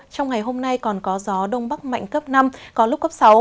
trong ngày hôm nay còn có gió đông bắc mạnh cấp năm có lúc cấp sáu